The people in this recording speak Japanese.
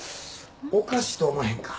おかしいと思わへんか？